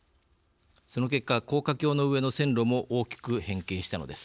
その結果、高架橋の上の線路も大きく変形したのです。